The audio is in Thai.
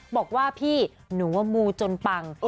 บอกว่าพี่หนูว่ามูจนปัง